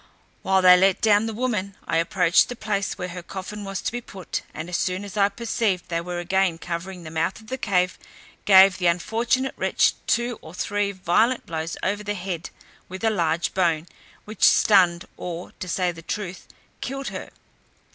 While they let down the woman I approached the place where her coffin was to be put, and as soon as I perceived they were again covering the mouth of the cave, gave the unfortunate wretch two or three violent blows over the head, with a large bone; which stunned, or, to say the truth, killed her.